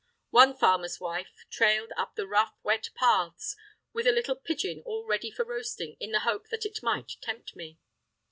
One farmer's wife trailed up the rough, wet paths, with a little pigeon all ready for roasting, in the hope that it might tempt me.